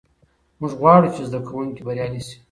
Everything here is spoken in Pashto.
موږ غواړو چې زده کوونکي بریالي سي.